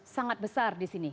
sangat besar di sini